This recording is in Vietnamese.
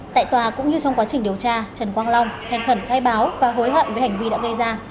tại tòa cũng như trong quá trình điều tra trần quang long thanh khẩn khai báo và hối hận về hành vi đã gây ra